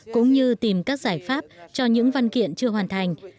cũng như tìm các giải pháp cho những văn kiện chưa hoàn thành